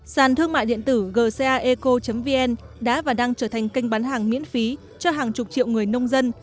sàn thương mại điện tử gcaeco vn đã và đang trở thành kênh bán hàng miễn phí cho hàng chục triệu người nông dân